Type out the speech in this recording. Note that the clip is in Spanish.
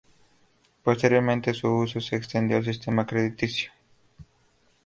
Posteriormente, su uso se extendió al sistema crediticio.